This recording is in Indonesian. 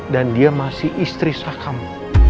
dan dia masih merasa terisak kamu